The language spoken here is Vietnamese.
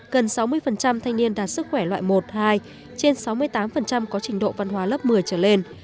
gần sáu mươi thanh niên đạt sức khỏe loại một hai trên sáu mươi tám có trình độ văn hóa lớp một mươi trở lên